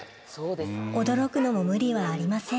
驚くのも無理はありません。